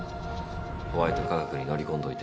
ホワイト化学に乗り込んどいて。